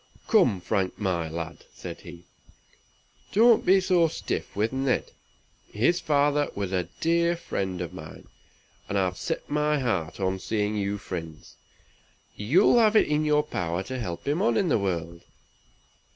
"Come, Frank, my lad!" said he, "don't be so stiff with Ned. His father was a dear friend of mine, and I've set my heart on seeing you friends. You'll have it in your power to help him on in the world."